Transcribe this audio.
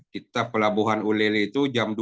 kita pelabuhan ulele itu jam dua